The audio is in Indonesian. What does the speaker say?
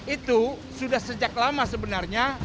itu sudah sejak lama sebenarnya